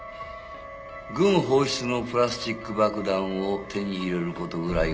軍放出のプラスチック爆弾を手に入れる事ぐらいは簡単です。